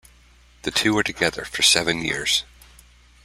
The two were together for seven years.